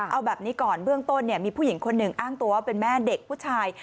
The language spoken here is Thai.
เอาแบบนี้ก่อนเบื้องต้นมีผู้หญิงคนหนึ่งอ้างตัวว่าเป็นแม่เด็กผู้ชาย